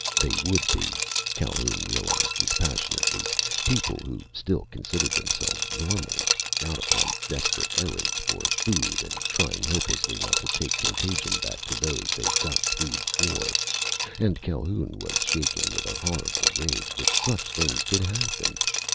They would be, Calhoun realized dispassionately, people who still considered themselves normals, out upon desperate errands for food and trying hopelessly not to take contagion back to those they got food for. And Calhoun was shaken with a horrible rage that such things could happen.